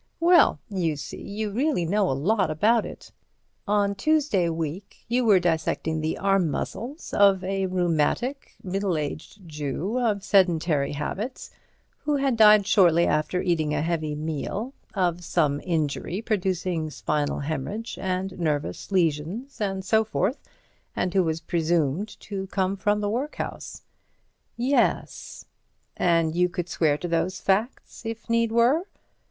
"Well, you see, you really know a lot about it. On Tuesday week you were dissecting the arm muscles of a rheumatic middle aged Jew, of sedentary habits, who had died shortly after eating a heavy meal, of some injury producing spinal hæmorrhage and nervous lesions, and so forth, and who was presumed to come from the workhouse." "Yes." "And you could swear to those facts, if need were?"